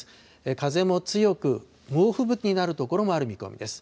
風も強く、猛吹雪になる所もある見込みです。